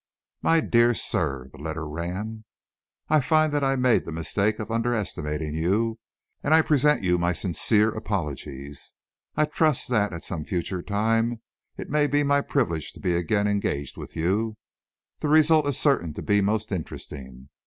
"My dear sir [the letter ran]: "I find that I made the mistake of underestimating you, and I present you my sincere apologies. I trust that, at some future time, it may be my privilege to be again engaged with you the result is certain to be most interesting.